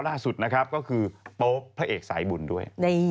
ล่าสุดนะครับก็คือโป๊ปพระเอกสายบุญด้วย